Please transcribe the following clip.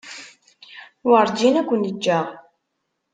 Werǧin ad ken-ǧǧeɣ.